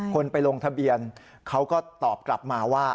คนไปลงทะเบียนเขาก็ตอบกลับมาว่า